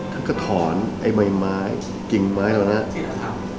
ท่านก็ถอนไอ้ไม้ไม้กิ่งไม้เรานะจริงหรอครับ